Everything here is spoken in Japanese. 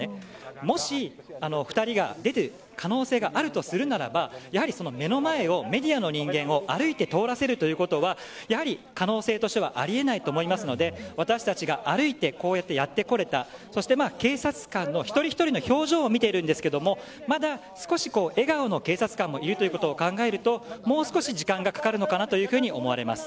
もし２人が出る可能性があるとするならばやはり目の前をメディアの人間を歩いて通らせるということは可能性としてはありえないと思うので私たちが歩いてこうやって、やって来れたそして警察官、一人一人の表情を見ているんですがまだ少し笑顔の警察官もいるということを考えるともう少し時間がかかるのかなと思われます。